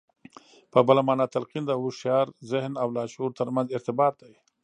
په بله مانا تلقين د هوښيار ذهن او لاشعور ترمنځ ارتباط دی.